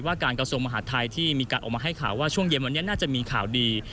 การกระทรวงมหาดไทยที่มีการออกมาให้ข่าวว่าช่วงเย็นวันนี้น่าจะมีข่าวดี